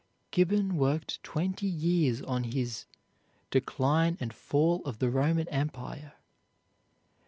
Gibbon worked twenty years on his "Decline and Fall of the Roman Empire."